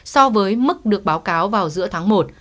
so với mức được báo cáo vào giữa tháng một